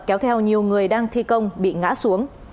kéo theo nhiều người đang thi công bị ngã xuống